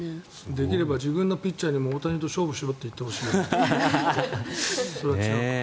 できれば自分のピッチャーにも大谷と勝負しろって言ってほしいそれは違うか。